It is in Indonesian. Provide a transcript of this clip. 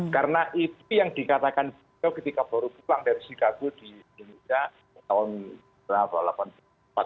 karena itu yang dikatakan beliau ketika baru pulang dari chicago di indonesia tahun berapa